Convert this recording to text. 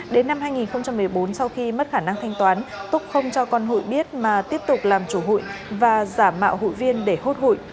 đến năm hai nghìn một mươi bốn sau khi mất khả năng thanh toán túc không cho con hụi biết mà tiếp tục làm chủ hụi và giả mạo hụi viên để hốt hụi